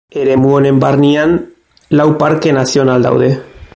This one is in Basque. Eremu honen barnean lau parke nazional daude.